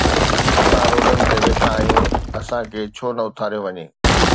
اسان روڊن تي ويٺا آهيون، اسان کي ڇو نه اٿاريو وڃي؟